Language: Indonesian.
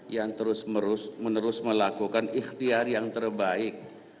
yang terus menerus melakukan ikhtiar yang terbaik